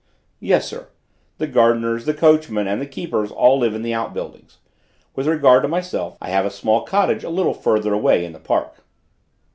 "Yes, sir. The gardeners, the coachman, and the keepers all live in the out buildings. With regard to myself, I have a small cottage a little farther away in the park."